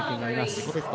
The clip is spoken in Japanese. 自己ベスト